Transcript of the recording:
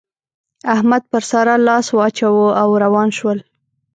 احمد پر سارا لاس واچاوو او روان شول.